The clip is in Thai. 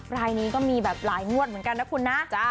รายนี้ก็มีแบบหลายงวดเหมือนกันนะคุณนะ